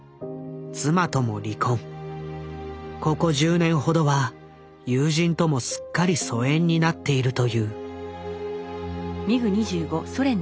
ここ１０年ほどは友人ともすっかり疎遠になっているという。